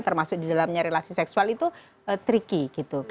termasuk di dalamnya relasi seksual itu tricky gitu